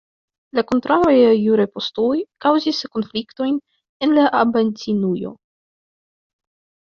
La kontraŭaj juraj postuloj kaŭzis konfliktojn en la abatinujo.